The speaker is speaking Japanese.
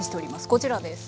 こちらです。